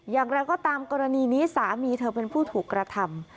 อย่างไรก็ตามกรณีนี้สามีเธอเป็นผู้ถูกกระทำ